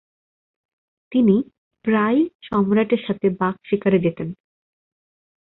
তিনি প্রায়ই সম্রাটের সাথে বাঘ শিকারে জেতেন।